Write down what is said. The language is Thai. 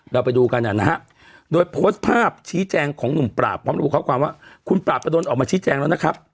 เราไปดูกันนะฮะโดยโพสต์ภาพชี้แจงของหนุ่มปราบพร้อมระบุข้อความว่าคุณปราบประดนออกมาชี้แจงแล้วนะครับ